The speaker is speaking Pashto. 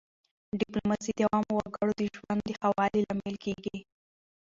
ډیپلوماسي د عامو وګړو د ژوند د ښه والي لامل کېږي.